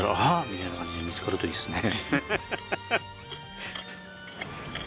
みたいな感じで見つかるといいですね。